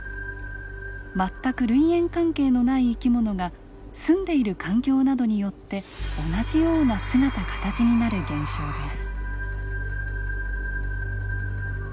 全く類縁関係のない生き物が住んでいる環境などによって同じような姿形になる現象です。